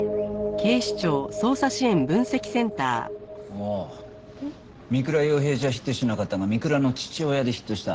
ああ三倉陽平じゃヒットしなかったが三倉の父親でヒットした。